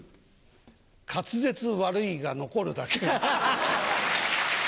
滑舌悪いが残るだけ。